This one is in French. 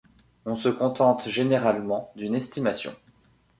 On se contente généralement d’une estimation.